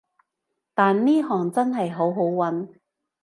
但呢行真係好好搵